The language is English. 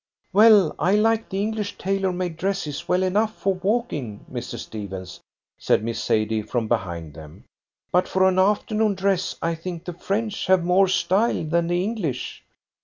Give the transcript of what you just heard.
"Well, I like the English tailor made dresses well enough for walking, Mr. Stephens," said Miss Sadie from behind them. "But for an afternoon dress, I think the French have more style than the English.